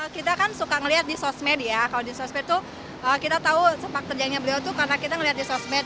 kita kan suka ngeliat di sosmed ya kalau di sosmed tuh kita tahu sepak terjangnya beliau tuh karena kita ngeliat di sosmed